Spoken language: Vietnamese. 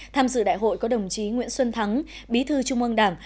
tham dự đại hội có đồng chí nguyễn xuân thắng bí thư trung ương đảng